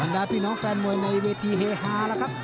มันได้พี่น้องแฟนมวยในเวทีเฮฮาละครับ